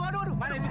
aduh aduh aduh